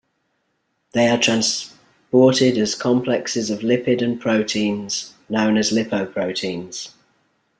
They are transported as complexes of lipid and proteins known as lipoproteins.